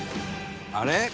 「あれ？